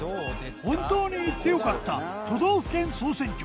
本当に行って良かった都道府県総選挙。